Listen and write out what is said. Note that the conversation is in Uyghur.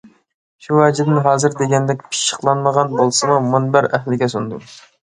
شۇ ۋەجىدىن ھازىر دېگەندەك پىششىقلانمىغان بولسىمۇ، مۇنبەر ئەھلىگە سۇندۇم.